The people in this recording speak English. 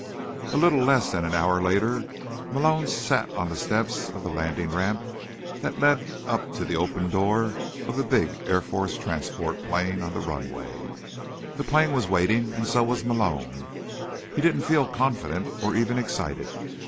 A little less than an hour later, Malone sat on the steps of the landing ramp that led up to the open door of the big Air Force transport plane on the runway. The plane was waiting, and so was Malone. He didn't feel confident, or even excited.